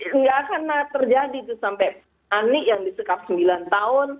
tidak akan terjadi itu sampai ani yang disekap sembilan tahun